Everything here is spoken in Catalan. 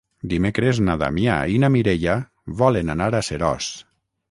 Dimecres na Damià i na Mireia volen anar a Seròs.